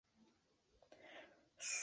Su cuerpo fructífero es comestible.